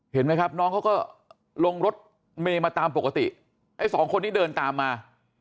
เห็นไหมครับน้องเขาก็ลงรถเมย์มาตามปกติไอ้สองคนนี้เดินตามมา